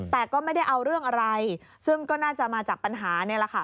แต่ก็ไม่ได้เอาเรื่องอะไรซึ่งก็น่าจะมาจากปัญหานี่แหละค่ะ